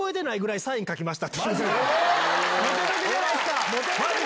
モテモテじゃないっすか！